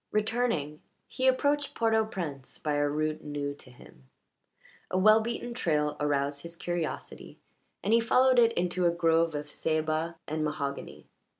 Returning, he approached Port au Prince by a route new to him. A well beaten trail aroused his curiosity and he followed it into a grove of ceiba and mahogany.